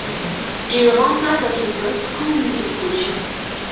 Il remplace à ce poste Komi Koutché.